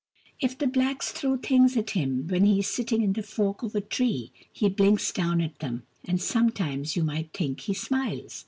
If the blacks throw things at him when he is sitting in the fork of a tree, he blinks down at them, and sometimes you might think he smiles.